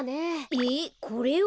えっこれを？